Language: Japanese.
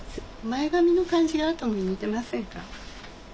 前髪の感じがアトムに似てませんか？